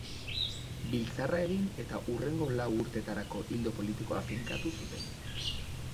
Biltzarra egin eta hurrengo lau urtetarako ildo politikoa finkatu zuten.